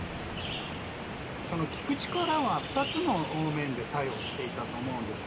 聴く力は２つの方面で作用していたと思うんです。